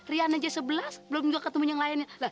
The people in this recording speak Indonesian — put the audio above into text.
rian aja sebelas belum juga ketemu yang lainnya